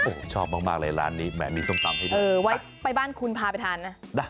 โอ้โฮชอบมากเลยร้านนี้แหมมีส้มตำให้ด้วย